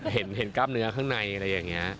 เห็นกล้ามเนื้อข้างในอะไรอย่างนี้